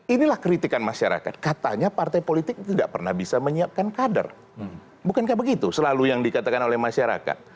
inilah kritikan masyarakat katanya partai politik tidak pernah bisa menyiapkan kader bukankah begitu selalu yang dikatakan oleh masyarakat